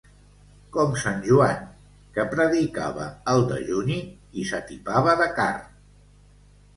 Com sant Joan, que predicava el dejuni i s'atipava de carn.